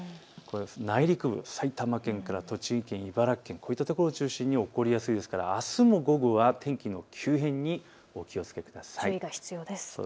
内陸部、埼玉県から栃木県、茨城県、こういったところを中心に起こりやすいですからあすも午後は天気の急変にお気をつけください。